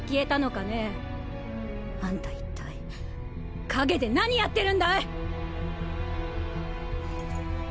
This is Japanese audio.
あんたいったい陰で何やってるんだい！